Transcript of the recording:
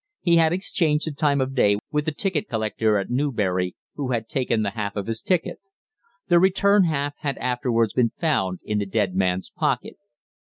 He had exchanged the time of day with the ticket collector at Newbury, who had taken the half of his ticket. The return half had afterwards been found in the dead man's pocket.